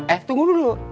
eh tunggu dulu